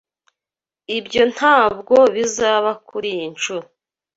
Ibyo ntabwo bizaba kuriyi nshuro.